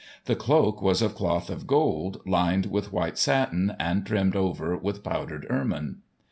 The cloak was of cloth of gold, lined with white satin, and trimmed over with powdered ermine.